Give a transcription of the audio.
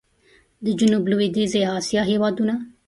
د جنوب لوېدیځي اسیا هېوادونه